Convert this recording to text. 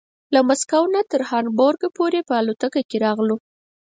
له مسکو نه تر هامبورګ پورې په الوتکه کې راغلو.